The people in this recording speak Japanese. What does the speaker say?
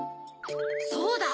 そうだ！